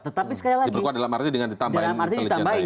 tetapi sekali lagi diperkuat dalam arti ditambahin intelligence